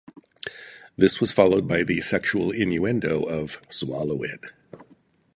This was followed by the sexual innuendo of "Swallow It".